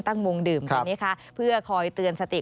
ตั้งวงดื่มเพื่อคอยเตือนสติ